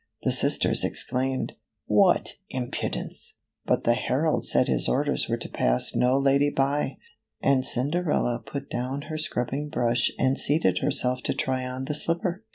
The sisters exclaimed, " What impudence !" but the herald said his orders were to pass no lady by, and Cinder ella put down her scrubbing brush and seated herself to try on the slipper.